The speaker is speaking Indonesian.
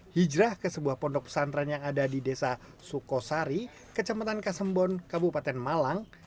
hijrah ke sebuah pondok pesantren yang ada di desa sukosari kecamatan kasembon kabupaten malang